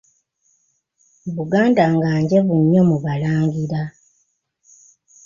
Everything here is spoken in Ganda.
Buganda nga njavu nnyo mu balangira.